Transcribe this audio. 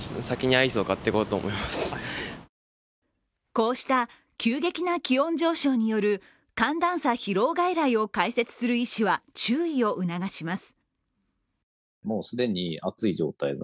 こうした急激な気温上昇による寒暖差疲労外来を開設する医師は注意を促します。